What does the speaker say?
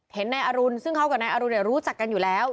นายอรุณซึ่งเขากับนายอรุณรู้จักกันอยู่แล้ว